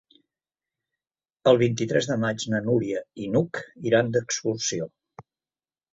El vint-i-tres de maig na Núria i n'Hug iran d'excursió.